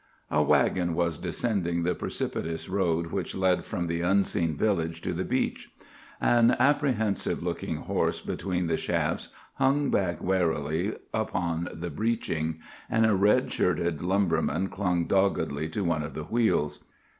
"A wagon was descending the precipitous road which led from the unseen village to the beach. An apprehensive looking horse between the shafts hung back warily upon the breeching, and a red shirted lumberman clung doggedly to one of the wheels.